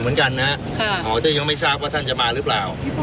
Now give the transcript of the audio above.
เหมือนกันนะฮะอ๋อแต่ยังไม่ทราบว่าท่านจะมาหรือเปล่า